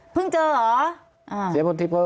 เพิ่งเจอเหรอ